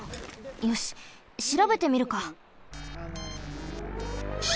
よししらべてみるか。